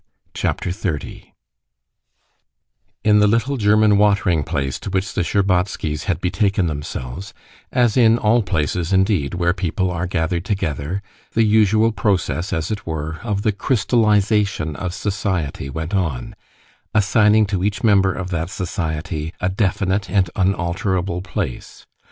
Chapter 30 In the little German watering place to which the Shtcherbatskys had betaken themselves, as in all places indeed where people are gathered together, the usual process, as it were, of the crystallization of society went on, assigning to each member of that society a definite and unalterable place.